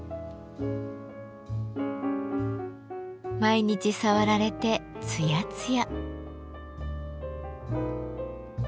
毎日触られてつやつや。